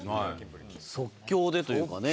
即興でというかね。